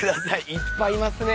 いっぱいいますね。